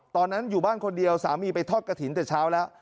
ตอนนั้นอยู่บ้านคนเดียวสามีไปทอดกระถิ่นแต่เช้าแล้ว